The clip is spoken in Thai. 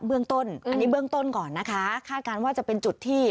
เบื้องต้นอันนี้เบื้องต้นก่อนนะคะคาดการณ์ว่าจะเป็นจุดที่